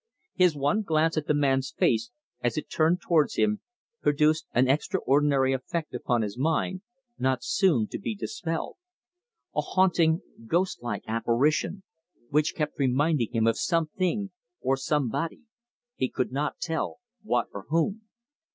His one glance at the man's face, as it turned towards him, produced an extraordinary effect upon his mind, not soon to be dispelled a haunting, ghostlike apparition, which kept reminding him of something or somebody, he could not tell what or whom.